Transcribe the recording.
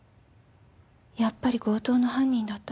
やっぱり強盗の犯人だったんですか。